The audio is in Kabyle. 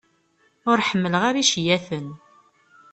Ur ḥemmleɣ ara iceyyaten.